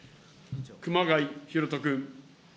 熊谷裕人君。